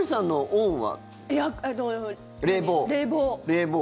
冷房。